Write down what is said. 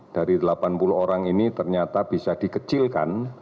dari delapan puluh orang ini ternyata bisa dikecilkan